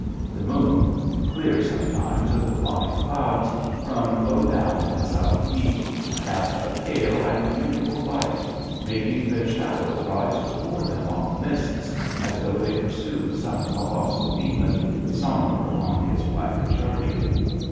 The moon, clear sometimes of the flying clouds, from low down in the south east, cast a pale and mu table light, making their shadow rise before them on the mists, as though they pursued some colossal demon, sombre on his black charger.